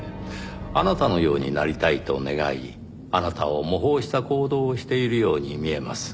あなたのようになりたいと願いあなたを模倣した行動をしているように見えます。